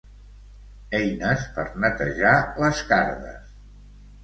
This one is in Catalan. Eines per netejar les cardes.